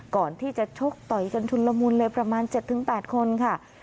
ก่อนที่จะโชคต่อยกันฯรมเลประมาณ๗๘คนครับ